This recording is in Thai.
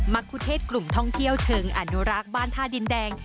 คุเทศกลุ่มท่องเที่ยวเชิงอนุรักษ์บ้านท่าดินแดง